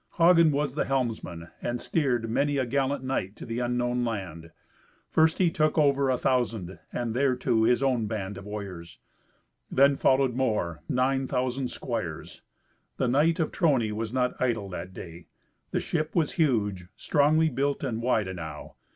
Hagen was the helmsman, and steered many a gallant knight to the unknown land. First he took over a thousand, and thereto his own band of warriors. Then followed more: nine thousand squires. The knight of Trony was not idle that day. The ship was huge, strongly built and wide enow.